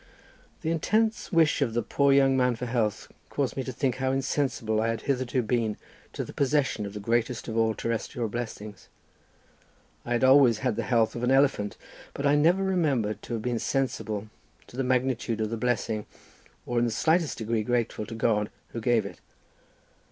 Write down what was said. The intense wish of the poor young man for health caused me to think how insensible I had hitherto been to the possession of the greatest of all terrestrial blessings. I had always had the health of an elephant, but I never remember to have been sensible to the magnitude of the blessing or in the slightest degree grateful to the God who gave it.